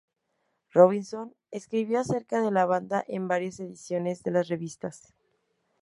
Robinson escribió acerca de la banda en varias ediciones de las revistas.